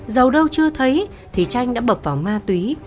giàu đâu chưa thấy thì tranh đã bập vào ma túy